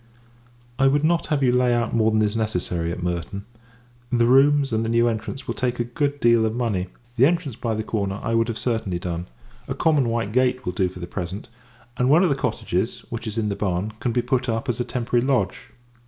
I would not have you lay out more than is necessary, at Merton. The rooms, and the new entrance, will take a good deal of money. The entrance by the corner I would have certainly done; a common white gate will do for the present; and one of the cottages, which is in the barn, can be put up, as a temporary lodge.